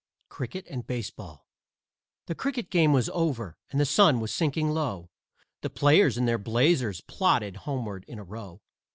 CRICKET AND BASEBALL The cricket game was over and the sun was sinking low, The players in their blazers plodded homeward in a row.